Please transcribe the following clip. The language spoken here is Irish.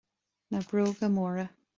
Na bróga móra